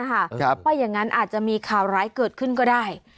เพราะอย่างนั้นอาจจะมีข่าวร้ายเกิดขึ้นก็ได้